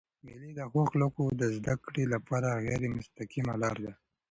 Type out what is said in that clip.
مېلې د ښو اخلاقو د زدهکړي له پاره غیري مستقیمه لار ده.